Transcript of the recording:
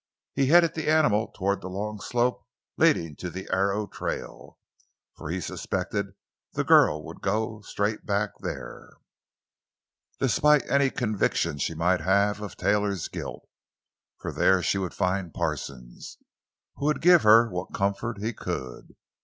He headed the animal toward the long slope leading to the Arrow trail, for he suspected the girl would go straight back there, despite any conviction she might have of Taylor's guilt—for there she would find Parsons, who would give her what comfort he could.